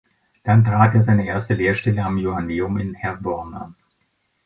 Dann trat er seine erste Lehrerstelle am Johanneum in Herborn an.